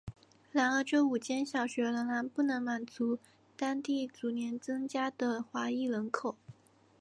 然而这五间小学仍然不能满足当地逐年增加的华裔人口。